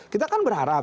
kita kan berharap